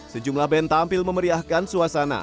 sejumlah band tampil memeriahkan suasana